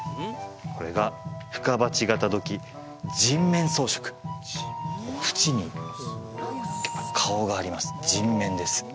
これが「深鉢型土器人面装飾」縁に顔があります人面です